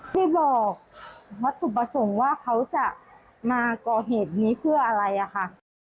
ที่บอกวัตถุประสงค์ว่าเขาจะมาก่อเหตุนี้เพื่ออะไรอะค่ะ